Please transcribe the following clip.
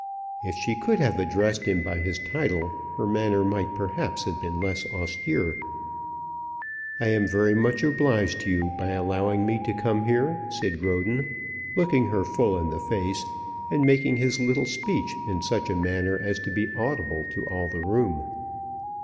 If she could have addressed him by his title, her manner might perhaps have been less austere. "I am much obliged to you by allowing me to come here," said Roden, looking her full in the face, and making his little speech in such a manner as to be audible to all the room.